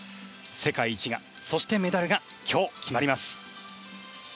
世界一が、そしてメダルが今日決まります。